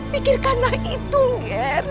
pikirkanlah itu ger